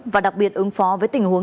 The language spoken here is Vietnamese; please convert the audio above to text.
và đặc biệt ứng phó với tình huống